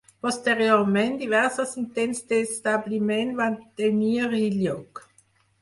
Posteriorment, diversos intents d'establiment van tenir-hi lloc.